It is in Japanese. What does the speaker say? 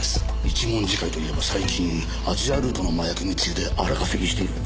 一文字会といえば最近アジアルートの麻薬密輸で荒稼ぎしている。